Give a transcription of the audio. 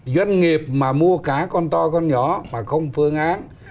doanh nghiệp mà mua cả con to con nhỏ mà không phương án